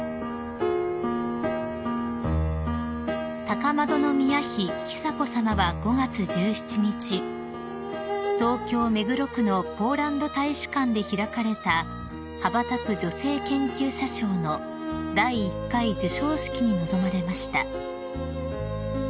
［高円宮妃久子さまは５月１７日東京目黒区のポーランド大使館で開かれた羽ばたく女性研究者賞の第１回授賞式に臨まれました］